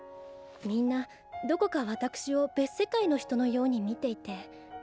みんなどこかわたくしを別世界の人のように見ていて。